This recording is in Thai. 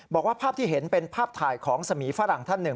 บอกว่าภาพที่เห็นเป็นภาพถ่ายของสมีฝรั่งท่านหนึ่ง